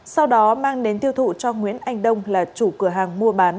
sau đó mang đến tiêu thụ cho nguyễn anh đông là chủ cửa hàng mua bán